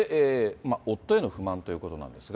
夫への不満ということなんですが。